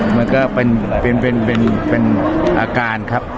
มันก็เป็นอาการครับ